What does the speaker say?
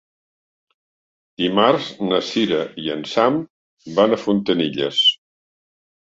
Dimarts na Sira i en Sam van a Fontanilles.